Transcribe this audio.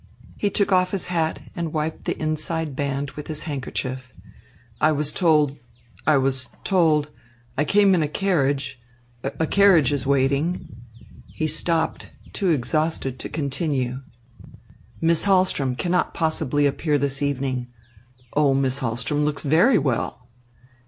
He took off his hat and wiped the inside band with his handkerchief. "I was told I was told I came in a carriage a carriage is waiting " He stopped, too exhausted to continue. "Miss Hahlström cannot possibly appear this evening." "Oh, Miss Hahlström looks very well!"